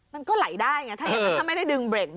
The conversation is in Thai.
มันก็ไหลได้ไงถ้าไม่ได้ดึงเบรกมือ